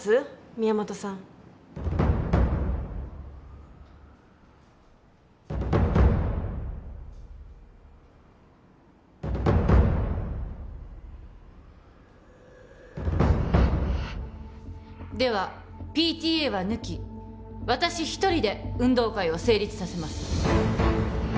宮本さんではＰＴＡは抜き私一人で運動会を成立させます